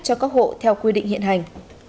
cho các hộ theo quy định hiện hành